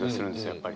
やっぱり。